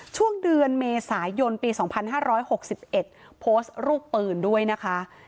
ช่วงเดือนเมษายนปี๒๕๖๑โพสต์รูปปืนด้วยนะคะ